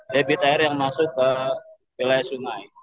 debit air yang masuk ke wilayah sungai